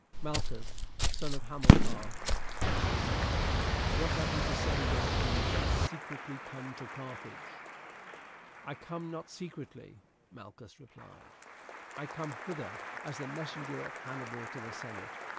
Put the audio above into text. "Malchus, son of Hamilcar," Hanno said, "what have you to say why you thus secretly come to Carthage?" "I come not secretly," Malchus replied, "I come hither as the messenger of Hannibal to the senate.